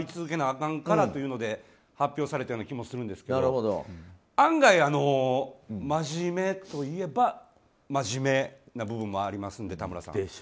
かんからということで発表されたような気もするんですけど案外、真面目といえば真面目な部分もありますのでたむらさん。